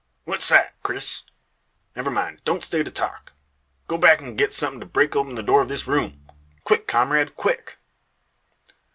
"What sight, Oris? Never mind don't stay to talk. Go back, and get something to break open the door of this room. Quick, comrade, quick!"